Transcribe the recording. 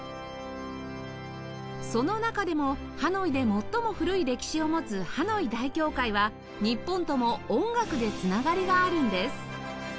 その中でもハノイで最も古い歴史を持つハノイ大教会は日本とも音楽で繋がりがあるんです